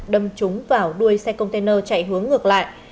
đâm trúng vào đuôi xe container chạy hướng ngược lại